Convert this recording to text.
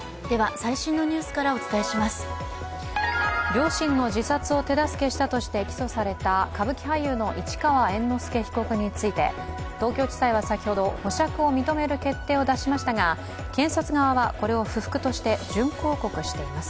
両親の自殺を手助けしたとして起訴された歌舞伎俳優の市川猿之助被告について、東京地裁は先ほど、保釈を認める決定を出しましたが、検察側は、これを不服として準抗告しています。